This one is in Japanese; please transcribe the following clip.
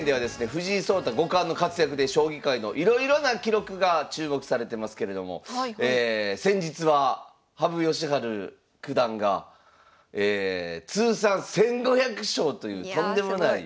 藤井聡太五冠の活躍で将棋界のいろいろな記録が注目されてますけれども先日は羽生善治九段が通算１，５００勝というとんでもない。